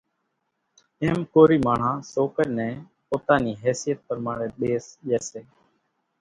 ايم ڪورِي ماڻۿان سوڪرِ نين پوتا نِي حيثيت پرماڻيَ ۮيس ڄيَ سي۔